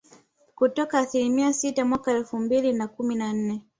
kutoka asilimia sita mwaka elfu mbili na kumi na nne